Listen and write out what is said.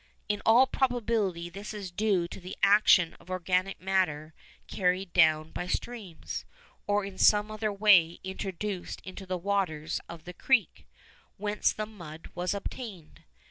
In all probability this is due to the action of organic matter carried down by streams, or in some other way introduced into the waters of the creek whence the mud was obtained.